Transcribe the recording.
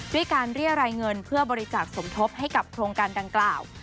ด้วยการเรียรายเงินเพื่อบริจาคสมทบให้กับโครงการดังกล่าว